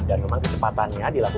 dan memang kecepatannya dilakukan